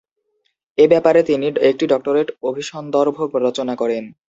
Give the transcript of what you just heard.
তিনি এ ব্যাপারে একটি ডক্টরেট অভিসন্দর্ভ রচনা করেন।